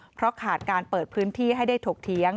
เพราะขาดการเปิดพื้นที่ให้ได้ถกเถียง